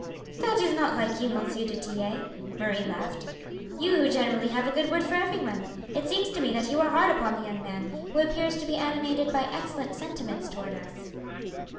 "That is not like you, Monsieur du Tillet," Marie laughed, "you who generally have a good word for everyone. It seems to me that you are hard upon the young man, who appears to be animated by excellent sentiments towards us."